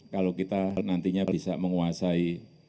kalau kita nantinya bisa menguasai